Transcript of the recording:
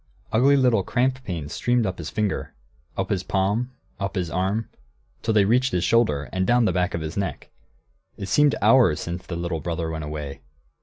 Ugly little cramp pains streamed up his finger, up his palm, up his arm, till they reached into his shoulder, and down the back of his neck. It seemed hours since the little brother went away.